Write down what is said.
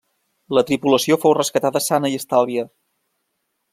La tripulació fou rescatada sana i estalvia.